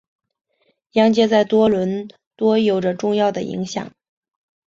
央街在多伦多有着重要的影响。